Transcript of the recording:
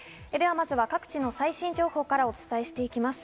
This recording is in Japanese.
まずは各地の最新情報からお伝えしていきます。